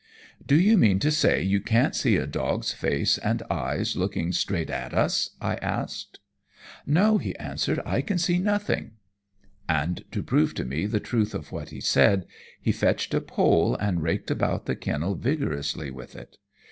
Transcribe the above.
"Do you mean to say you can't see a dog's face and eyes looking straight at us?" I asked. "No," he answered, "I can see nothing." And to prove to me the truth of what he said, he fetched a pole and raked about the kennel vigorously with it.